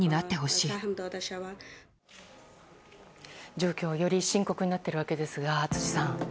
状況、より深刻になっているわけですが、辻さん。